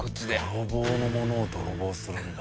泥棒の物を泥棒するんだ。